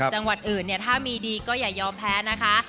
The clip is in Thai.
จังหวัดอื่นเนี่ยถ้ามีดีก็อย่ายอมแพ้นะคะ